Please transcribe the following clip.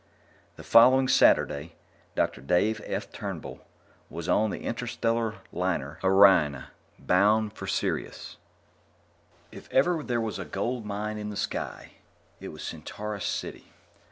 The following Saturday, Dr. Dave F. Turnbull was on the interstellar liner Oriona, bound for Sirius. If ever there was a Gold Mine In The Sky, it was Centaurus City.